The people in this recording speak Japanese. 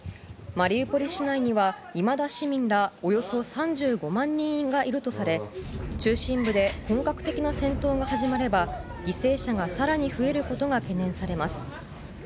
マリウポリ市内にはいまだ市民らおよそ３５万人がいるとされ中心部で本格的な戦闘が始まれば犠牲者が更に増えることが懸念されます。